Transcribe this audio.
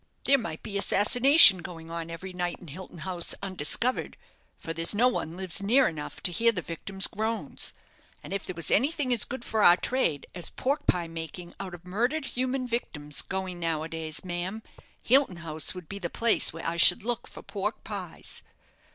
There might be assassination going on every night in Hilton House undiscovered, for there's no one lives near enough to hear the victims' groans; and if there was anything as good for our trade as pork pie making out of murdered human victims going nowadays, ma'am, Hilton House would be the place where I should look for pork pies.